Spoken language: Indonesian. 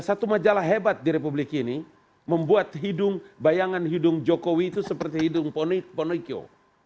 satu majalah hebat di republik ini membuat bayangan hidung jokowi itu seperti hidung ponokio